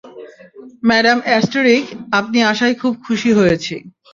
Madam Esterich, আপনি আসায় খুব খুশি হয়েছি।